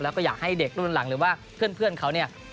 แล้วก็อยากให้เด็กรุ่นหลังหรือว่าเพื่อนเขาเนี่ย